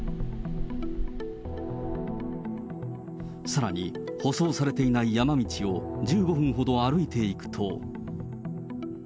さらに、舗装されていない山道を１５分ほど歩いていくと。